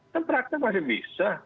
tapi praktek pasti bisa